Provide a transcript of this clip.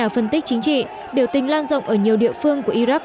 phân tích chính trị biểu tình lan rộng ở nhiều địa phương của iraq